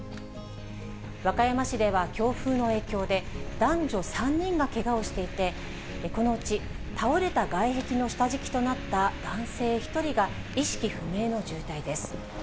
和歌山市では強風の影響で、男女３人がけがをしていて、このうち倒れた外壁の下敷きとなった男性１人が、意識不明の重体です。